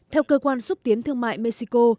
theo cơ quan xúc tiến thương mại mexico